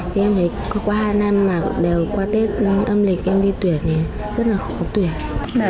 thì em thấy có qua hai năm mà đều qua tết âm lịch em đi tuyển thì rất là khó tuyển